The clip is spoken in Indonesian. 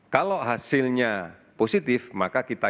kalau hasilnya positif maka kita